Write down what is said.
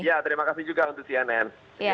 ya terima kasih juga untuk cnn